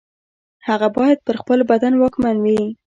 هغه باید پر خپل بدن واکمن وي.